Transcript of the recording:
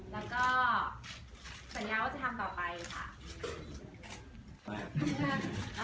แล้วก็สัญญาว่าจะทำต่อไปค่ะ